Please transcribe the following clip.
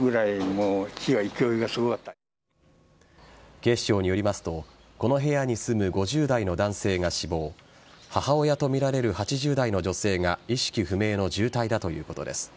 警視庁によりますとこの部屋に住む５０代の男性が死亡母親とみられる８０代の女性が意識不明の重体だということです。